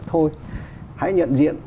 thôi hãy nhận diện